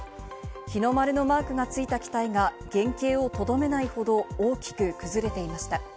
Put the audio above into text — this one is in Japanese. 日の丸のマークがついた機体が原形をとどめないほど大きく崩れていました。